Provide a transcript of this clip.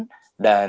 dan jalan berkendara